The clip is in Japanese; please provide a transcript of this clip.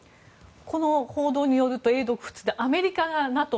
この報道によると英独仏でＮＡＴＯ